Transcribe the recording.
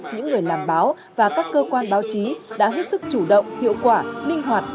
những người làm báo và các cơ quan báo chí đã hết sức chủ động hiệu quả linh hoạt